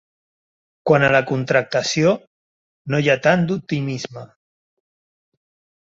Quant a la contractació, no hi ha tant d’optimisme.